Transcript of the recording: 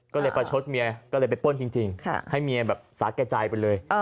ก็เลยประชดเมียก็เลยไปป้นจริงให้เมียแบบสาแก่ใจไปเลย